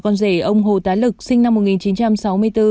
con rể ông hồ tá lực sinh năm một nghìn chín trăm sáu mươi bốn